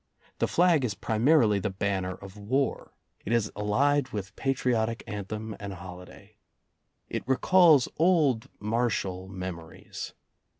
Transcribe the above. The flag is primarily the banner of war; it is allied with patriotic anthem and holiday. It recalls old martial memories.